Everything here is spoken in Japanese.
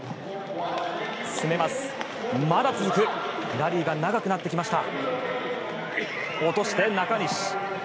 ラリーが長くなってきました。